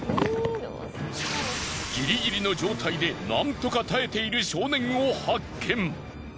ギリギリの状態でなんとか耐えている少年を発見。